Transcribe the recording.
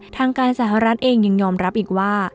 ทางการสหรัฐเองยังยอมรับอีกว่า